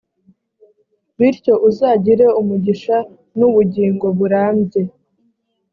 bityo uzagira umugisha n’ubugingo burambye.